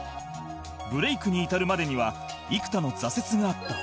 ブレイクに至るまでには幾多の挫折があった